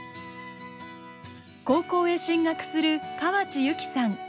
高校へ進学する河内優希さん。